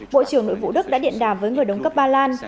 bộ trưởng nội vụ đức đã điện đàm với người đồng cấp ba lan